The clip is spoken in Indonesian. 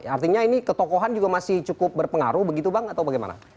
artinya ini ketokohan juga masih cukup berpengaruh begitu bang atau bagaimana